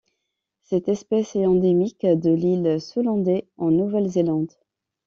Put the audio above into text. Cette espèce est endémique de l'île Solander en Nouvelle-Zélande.